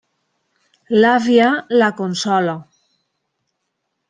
L'àvia la consola.